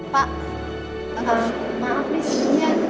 maaf nih sebenernya